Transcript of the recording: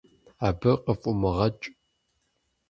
Абы къыфӀумыгъэкӀ.